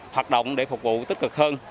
hoạt động để phục vụ tích cực hơn